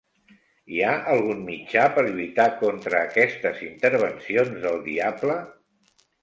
Hi ha algun mitjà per lluitar contra aquestes intervencions del diable?